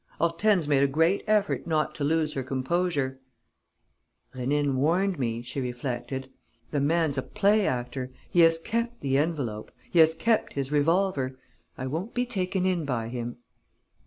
Hortense made a great effort not to lose her composure: "Rénine warned me," she reflected. "The man's a play actor. He has kept the envelope. He has kept his revolver, I won't be taken in by him."